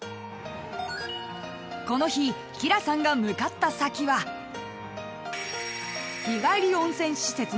［この日きらさんが向かった先は日帰り温泉施設の］